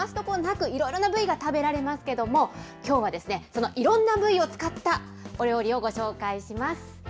あんこうといえば、余すことなくいろいろな部位が食べられますけれども、きょうはこのいろんな部位を使ったお料理をご紹介します。